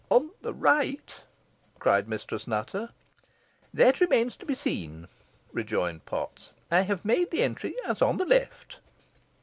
"On the right," cried Mistress Nutter. "That remains to be seen," rejoined Potts, "I have made the entry as on the left."